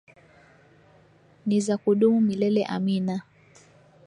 Nizakudumu milele amina.